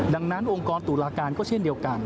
ดังนั้นองค์กรตุลาการก็เช่นเดียวกัน